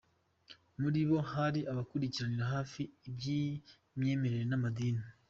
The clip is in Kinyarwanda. Muri bo hari abakurikiranira hafi iby’imyemerere n’amadini.